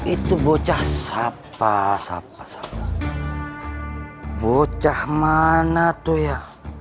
itu bocah siapa sapa sapa bocah mana tuh ya